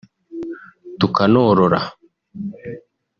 tukanorora